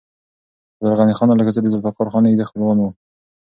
عبدالغني خان الکوزی د ذوالفقار خان نږدې خپلوان و.